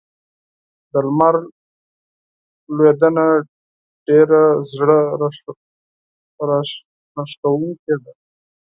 د لمر لوېدنه ډېره زړه راښکونکې ده.